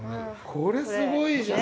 これすごいじゃん。